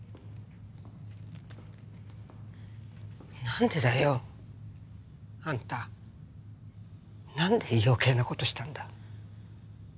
なんでだよ。あんたなんで余計な事したんだ。